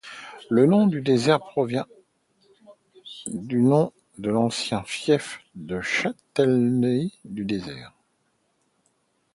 Le nom de Désert provint du nom de l’ancien fief et châtellenie du Désert.